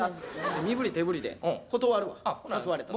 身振り手振りで断るわ、誘われたら。